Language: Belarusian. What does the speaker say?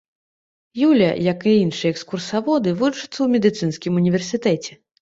Юля, як і іншыя экскурсаводы, вучыцца ў медыцынскім універсітэце.